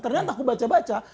ternyata aku baca baca